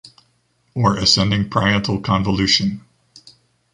Or ascending parietal convolution.